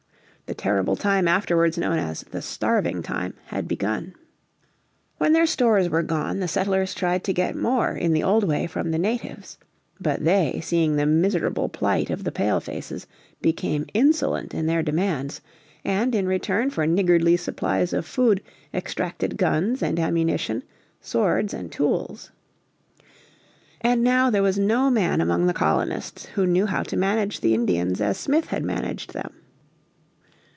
The terrible time afterwards known as the Starving Time had begun. When their stores were gone the settlers tried to get more in the old way from the natives. But they, seeing the miserable plight of the Pale faces, became insolent in their demands, and in return for niggardly supplies of food exacted guns and ammunition, swords and tools. And now there was no man among the colonists who knew how to manage the Indians as Smith had managed them.